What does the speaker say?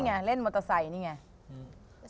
ไงเล่นมอเตอร์ไซค์นี่ไง